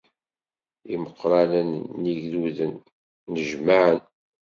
Imeqqranen n yigduden nnejmaɛen.